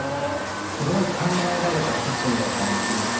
すごい考えられたシステムだったんですね。